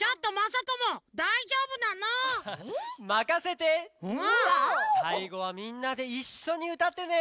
さいごはみんなでいっしょにうたってね！